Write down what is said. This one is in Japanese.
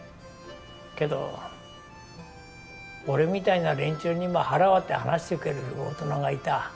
けど俺みたいな連中にも腹割って話してくれる大人がいた。